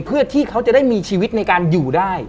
เพื่อที่เขาจะได้มีชีวิตในการอยู่ได้